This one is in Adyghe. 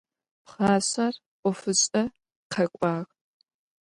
Пхъашӏэр ӏофышӏэ къэкӏуагъ.